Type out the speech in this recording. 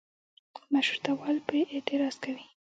مشروطه وال پرې اعتراض کوي.